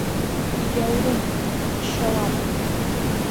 Егьаурым, дыччалап!